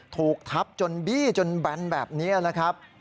ถูกทับจนบี้จนแบนแบบนี้นะครับ